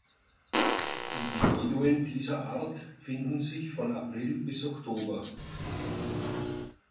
Individuen dieser Art finden sich von April bis Oktober.